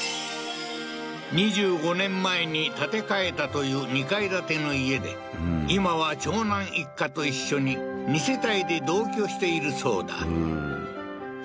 ２５年前に建て替えたという２階建ての家で今は長男一家と一緒に２世帯で同居しているそうだ